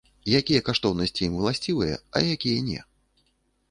Якія каштоўнасці ім уласцівыя, а якія не?